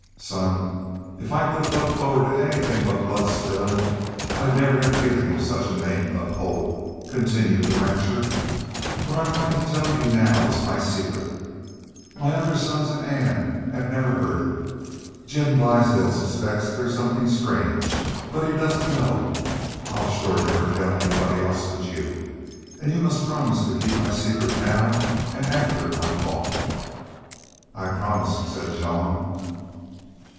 "Son, if I could have looked forward to anythin' but blood spillin' I'd never have given you such a name to uphold," continued the rancher. "What I'm goin' to tell you now is my secret. My other sons an' Ann have never heard it. Jim Blaisdell suspects there's somethin' strange, but he doesn't know. I'll shore never tell anyone else but you. An' you must promise to keep my secret now an' after I am gone." "I promise," said Jean.